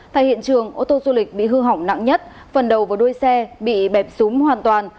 tại hiện trường ô tô du lịch bị hư hỏng nặng nhất phần đầu và đuôi xe bị bẹp súng hoàn toàn